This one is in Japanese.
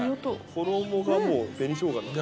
衣がもう紅しょうがになって。